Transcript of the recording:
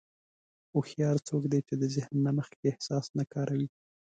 هوښیار څوک دی چې د ذهن نه مخکې احساس نه کاروي.